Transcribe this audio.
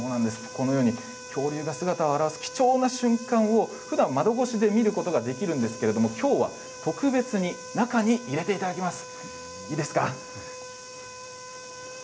恐竜が姿を現す貴重な瞬間を窓越しで見ることができるんですけれど今日はこの特別に中に入れていただきます。